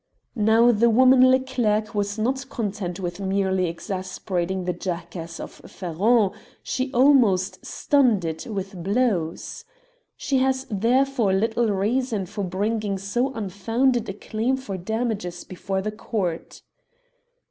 " Now the woman Leclerc was not content with merely exasperating the jackass of Ferron, she almost stunned it with blows. She has therefore little reason for bringing so unfounded a claim for damages before the Court.